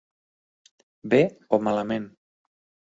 Bé o malament.